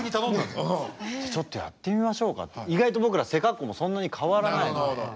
じゃあちょっとやってみましょうかって。意外と僕ら背格好もそんなに変わらないので。